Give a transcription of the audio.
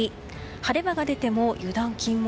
晴れ間が出ても、油断禁物。